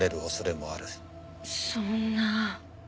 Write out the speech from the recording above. そんな。